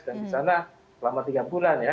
dan di sana selama tiga bulan ya